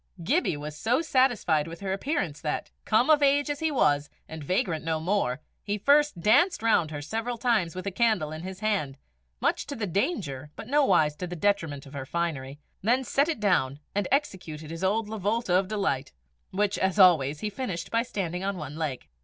Gibbie was so satisfied with her appearance that, come of age as he was, and vagrant no more, he first danced round her several times with a candle in his hand, much to the danger but nowise to the detriment of her finery, then set it down, and executed his old lavolta of delight, which, as always, he finished by standing on one leg.